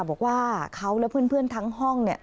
บอกว่าเขาและเพื่อนทั้งห้องเนี่ย